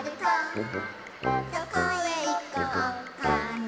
「どこへいこうかな」